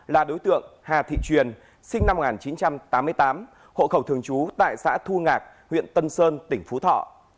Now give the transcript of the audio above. là đối tượng hà thị truyền sinh năm một nghìn chín trăm tám mươi tám hộ khẩu thường trú tại xã thu ngạc huyện tân sơn tỉnh phú thọ